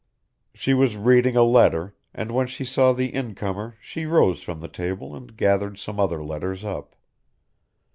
She was reading a letter, and when she saw the incomer she rose from the table and gathered some other letters up.